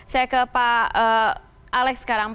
saya ke pak alex sekarang